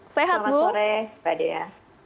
selamat sore pak dea